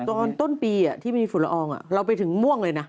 ตอนต้นปีที่มีฝุ่นละอองเราไปถึงม่วงเลยนะ